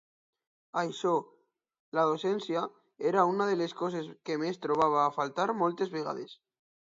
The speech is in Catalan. Això -la docència- era una de les coses que més trobava a faltar moltes vegades.